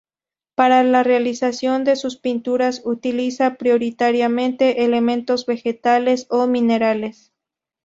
Para la realización de sus pinturas, utiliza prioritariamente elementos vegetales o minerales.